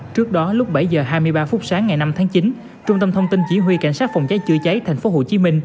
trước đó lúc bảy h hai mươi ba phút sáng ngày năm tháng chín trung tâm thông tin chỉ huy cảnh sát phòng cháy chữa cháy tp hcm